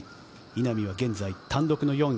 稲見は現在、単独の４位。